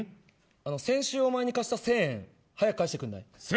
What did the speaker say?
先週おまえに貸した１０００円早く返して。